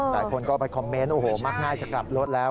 บางคนก็มัดคอมเมนต์มากน่าจะกลับรถแล้ว